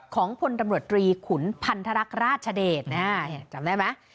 ของพลตำรวจตรีขุนพันธรรคราชเดชจำได้ไหม